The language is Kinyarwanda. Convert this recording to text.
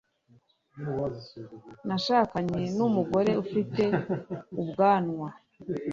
nashakanye numugore ufite ubwanwa